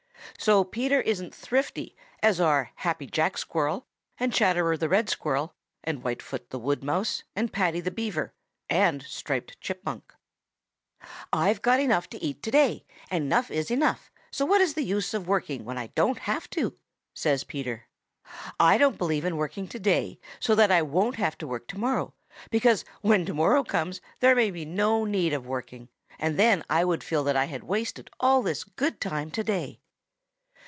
So Peter isn't thrifty as are Happy Jack Squirrel and Chatterer the Red Squirrel and Whitefoot the Wood Mouse and Paddy the Beaver and Striped Chipmunk. "I've got enough to eat today, and enough is enough, so what is the use of working when I don't have to?" says Peter. "I don't believe in working today so that I won't have to work tomorrow, because when tomorrow comes there may be no need of working, and then I would feel that I had wasted all this good time today."